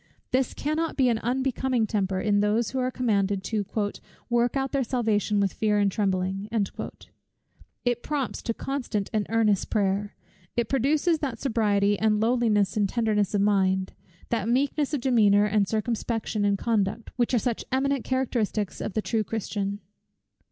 This cannot be an unbecoming temper, in those who are commanded to "work out their salvation with fear and trembling." It prompts to constant and earnest prayer. It produces that sobriety, and lowliness and tenderness of mind, that meekness of demeanor and circumspection in conduct, which are such eminent characteristics of the true Christian.